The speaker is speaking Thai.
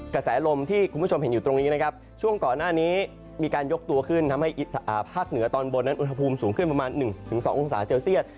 กระแสลมที่คุณผู้ชมเห็นอยู่ตรงนี้นะครับช่วงก่อนหน้านี้มีการยกตัวขึ้นทำให้ภาคเหนือตอนบนนั้นอุณหภูมิสูงขึ้นประมาณ๑๒องศาเซลเซียต